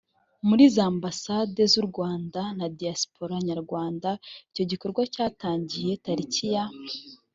muri za ambasade z u rwanda na diaspora nyarwanda icyo gikorwa cyatangiye tariki ya